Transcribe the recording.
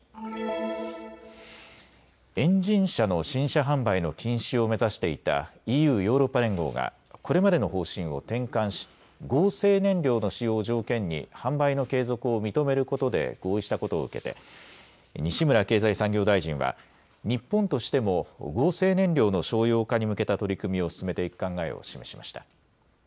エンジン車の新車販売の禁止を目指していたＥＵ・ヨーロッパ連合がこれまでの方針を転換し、合成燃料の使用を条件に販売の継続を認めることで合意したことを受けて西村経済産業大臣は日本としても合成燃料の商用化に向けた取り組みを進めていく考えを示しました。